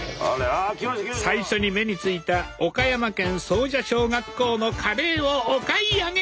最初に目についた岡山県総社小学校のカレーをお買い上げ！